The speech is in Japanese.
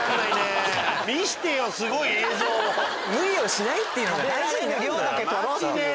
無理をしないっていうのが大事になるのよ。